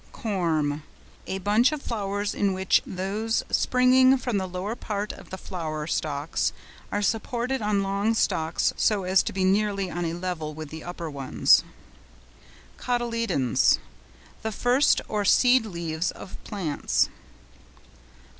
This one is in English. CORYMB.—A bunch of flowers in which those springing from the lower part of the flower stalks are supported on long stalks so as to be nearly on a level with the upper ones. COTYLEDONS.—The first or seed leaves of plants.